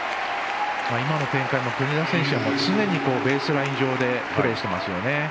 今の展開も国枝選手は常にベースライン上でプレーしていますよね。